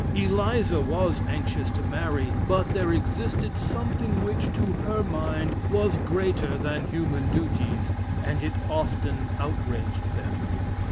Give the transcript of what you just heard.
Eliza was anxious to marry, but there existed something which, to her mind, was greater than human duties, and it often outraged them.